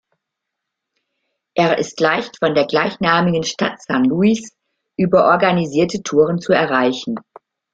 Er ist leicht von der gleichnamigen Stadt San Luis über organisierte Touren zu erreichen.